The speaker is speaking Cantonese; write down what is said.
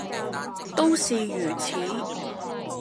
都是如此。